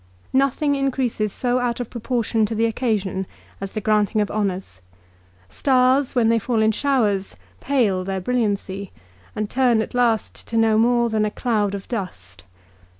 Nothing increases so out of proportion to the occasion as the granting of honours. Stars, when they fall in showers, pale their brilliancy, and turn at last to no more than a cloud of dust.